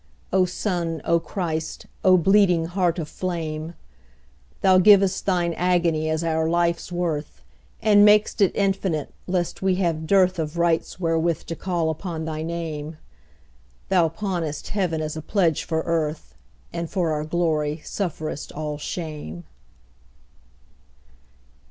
O Sun, O Christ, O bleeding Heart of flame! Thou giv'st Thine agony as our life's worth, And mak'st it infinite, lest we have dearthOf rights wherewith to call upon thy Name; Thou pawnest Heaven as a pledge for Earth, And for our glory sufferest all shame.